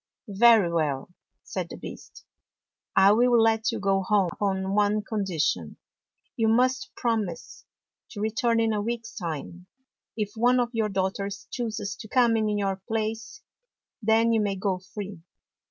" Very well," said the Beast. " I will let you go home upon one condition. You must promise to return in a week's time. If one of your daughters chooses to come in your place, then you may go free."